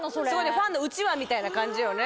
ファンのうちわみたいな感じよね。